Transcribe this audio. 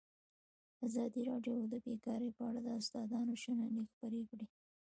ازادي راډیو د بیکاري په اړه د استادانو شننې خپرې کړي.